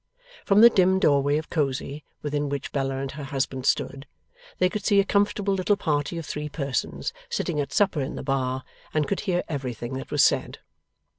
From the dim doorway of Cosy, within which Bella and her husband stood, they could see a comfortable little party of three persons sitting at supper in the bar, and could hear everything that was said.